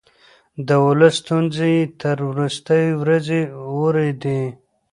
د ولس ستونزې يې تر وروستۍ ورځې اورېدې.